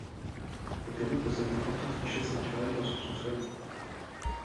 Le Pérou possède d'importantes richesses naturelles dans son sous-sol.